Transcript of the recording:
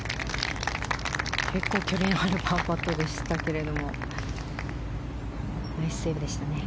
結構距離のあるパーパットでしたけどもナイスセーブでしたね。